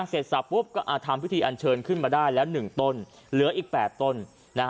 เสร็จสับปุ๊บก็ทำพิธีอันเชิญขึ้นมาได้แล้ว๑ต้นเหลืออีก๘ต้น